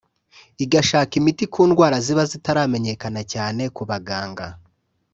igashaka imiti ku ndwara ziba zitaramenyekana cyane ku baganga